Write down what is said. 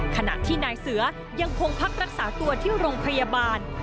ขณะที่นายเสือยังคงพักรักษาตัวที่โรงพยาบาล